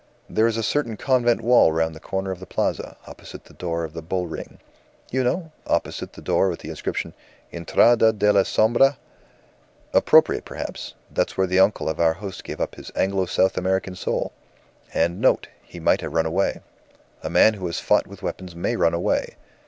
There is a certain convent wall round the corner of the Plaza, opposite the door of the Bull Ring. You know? Opposite the door with the inscription, Intrada de la Sombra.' Appropriate, perhaps! That's where the uncle of our host gave up his Anglo South American soul. And, note, he might have run away. A man who has fought with weapons may run away.